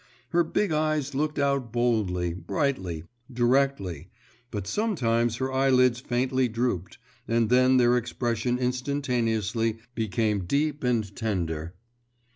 Her big eyes looked out boldly, brightly, directly, but sometimes her eyelids faintly drooped, and then their expression instantaneously became deep and tender.